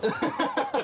ハハハ！